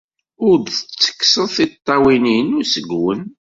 Ur d-ttekkseɣ tiṭṭawin-inu seg-wen.